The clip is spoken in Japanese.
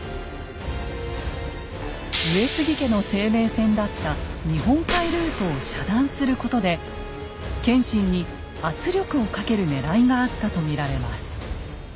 上杉家の生命線だった日本海ルートを遮断することで謙信に圧力をかけるねらいがあったと見られます。